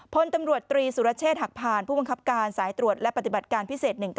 พลตำรวจตรีสุรเชษฐ์หักผ่านผู้บังคับการสายตรวจและปฏิบัติการพิเศษ๑๙